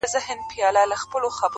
کرونا راغلې پر انسانانو!